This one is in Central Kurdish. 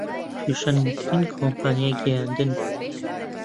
پێشەنگترین کۆمپانیای گەیاندن بوو